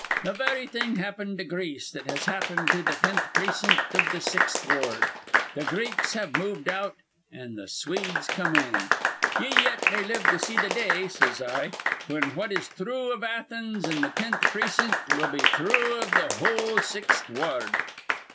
Th' very thing happened to Greece that has happened to th' tenth precint iv th' Sixth Ward. Th' Greeks have moved out, an' th' Swedes come in. Ye yet may live to see th' day,' says I, 'whin what is thrue iv Athens an' th' tenth precint will be thrue iv th' whole Sixth Wa ard.'"